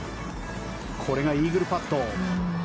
これがイーグルパット。